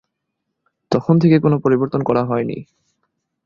তখন থেকে কোন পরিবর্তন করা হয়নি।